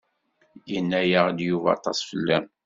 Yenna-aɣ-d Yuba aṭas fell-am.